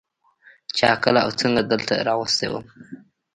چا کله او څنگه دلته راوستى وم.